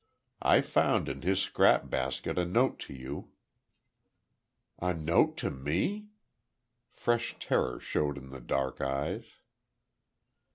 I found in his scrap basket a note to you—" "A note to me!" Fresh terror showed in the dark eyes.